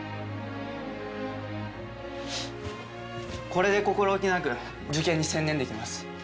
これで心置きなく受験に専念できます。